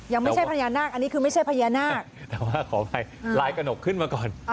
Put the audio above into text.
ไม่ใช่พญานาคอันนี้คือไม่ใช่พญานาคแต่ว่าขออภัยลายกระหนกขึ้นมาก่อน